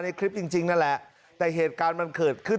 คลิปจริงนั่นแหละแต่เหตุการณ์มันเกิดขึ้น